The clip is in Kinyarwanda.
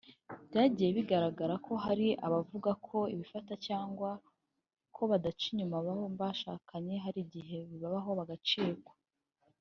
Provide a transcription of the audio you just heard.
Byagiye bigaragara ko hari abavuga ko bifata cyangwa ko badaca inyuma abo bashakanye hari igihe bibabaho bagacikwa